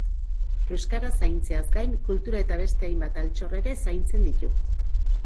Euskara zaintzeaz gain, kultura eta beste hainbat altxor ere zaintzen ditu.